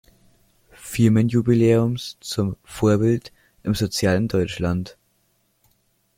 Firmenjubiläums zum „Vorbild im Sozialen Deutschland“.